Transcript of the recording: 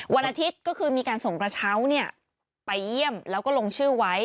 วันอาทิตย์ก็คือมีการส่งกระเช้าไปเยี่ยมแล้วก็ลงชื่อไว้